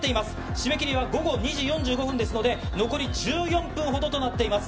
締め切りは午後２時４５分ということになっておりますので、残り１４分ほどとなっています。